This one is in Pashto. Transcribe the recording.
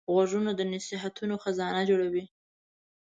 غوږونه د نصیحتو خزانه جوړوي